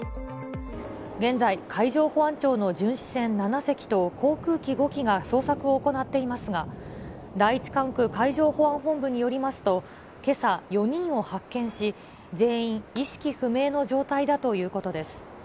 現在、海上保安庁の巡視船７隻と航空機５機が捜索を行っていますが、第１管区海上保安本部によりますと、けさ、４人を発見し、全員、意識不明の状態だということです。